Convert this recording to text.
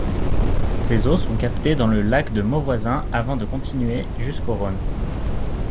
Ses eaux sont captées dans le lac de Mauvoisin avant de continuer jusqu'au Rhône.